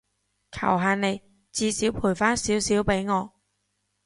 求下你，至少賠返少少畀我